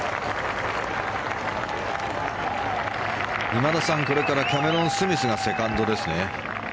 今田さん、これからキャメロン・スミスがセカンドですね。